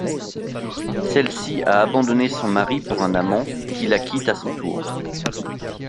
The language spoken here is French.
Celle-ci a abandonné son mari pour un amant, qui la quitte à son tour.